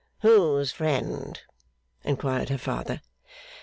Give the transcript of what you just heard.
'Whose friend?' inquired her father.